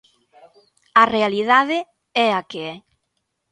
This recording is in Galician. A realidade é a que é.